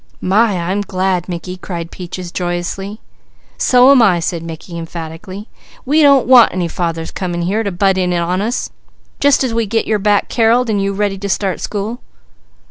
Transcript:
"My I'm glad, Mickey!" cried Peaches joyously. "So am I," said Mickey emphatically. "We don't want any fathers coming here to butt in on us, just as we get your back Carreled and you ready to start to school."